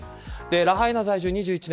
ラハイナ在住２１年